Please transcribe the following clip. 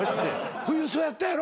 冬そうやったやろ？